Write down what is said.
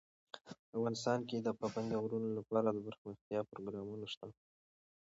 افغانستان کې د پابندي غرونو لپاره دپرمختیا پروګرامونه شته.